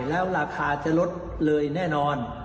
แล้วราคาจะลดเลยแน่นอน